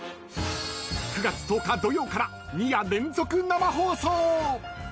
９月１０日、土曜から２夜連続生放送。